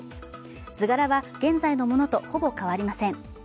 図柄は現在のものとほぼ変わりません。